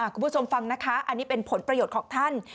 คุณผู้ชมฟังนะคะอันนี้เป็นผลประโยชน์ของท่าน